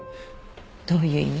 どういう意味？